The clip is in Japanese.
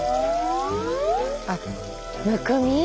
あっむくみ？